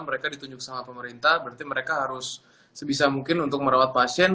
mereka ditunjuk sama pemerintah berarti mereka harus sebisa mungkin untuk merawat pasien